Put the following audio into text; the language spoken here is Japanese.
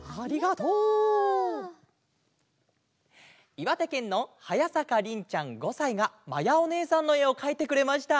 いわてけんのはやさかりんちゃん５さいがまやおねえさんのえをかいてくれました！